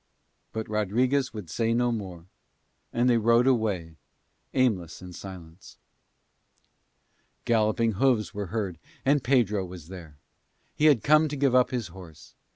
But Rodriguez would say no more. And they rode away aimless in silence. Galloping hooves were heard and Pedro was there. He had come to give up his horse.